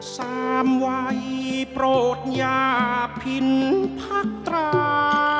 สามวัยโปรดยาพินพักตรา